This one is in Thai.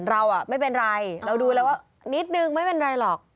เราไม่เป็นไรเราดูแล้วว่านิดนึงไม่เป็นไรหรอก